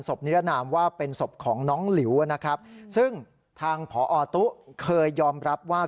นิรนามว่าเป็นศพของน้องหลิวนะครับซึ่งทางผอตุ๊เคยยอมรับว่า